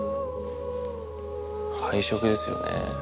配色ですよね。